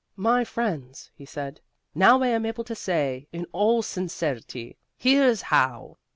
"My friends," he said, "now I am able to say, in all sincerity, Here's How.